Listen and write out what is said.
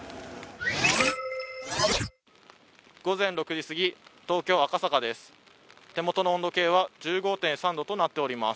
午前６時すぎ、東京・赤坂です。